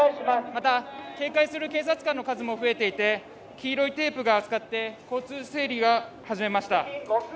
また、警戒する警察官の数も増えていまして、黄色いテープを使って交通整理が始まりました。